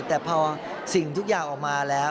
แต่พอสิ่งทุกอย่างออกมาแล้ว